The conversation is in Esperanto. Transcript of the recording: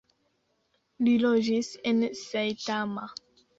Li loĝis en Saitama.